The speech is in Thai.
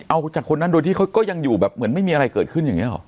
เอาจากคนนั้นโดยที่เขาก็ยังอยู่แบบเหมือนไม่มีอะไรเกิดขึ้นอย่างนี้หรอ